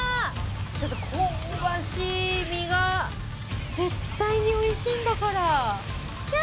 香ばしい身が絶対においしいんだから。